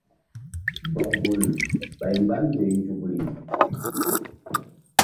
Bɔk vul ɓay mgba ndoy nzukri.